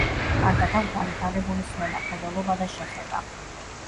კარგად აქვთ განვითარებული სმენა, მხედველობა და შეხება.